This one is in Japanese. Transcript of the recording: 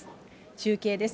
中継です。